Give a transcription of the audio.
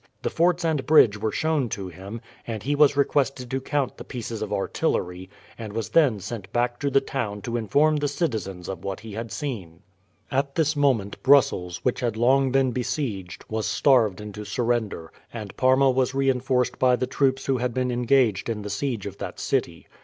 The forts and bridge were shown to him, and he was requested to count the pieces of artillery, and was then sent back to the town to inform the citizens of what he had seen. At this moment Brussels, which had long been besieged, was starved into surrender, and Parma was reinforced by the troops who had been engaged in the siege of that city.